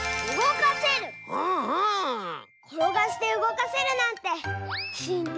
ころがしてうごかせるなんてしんって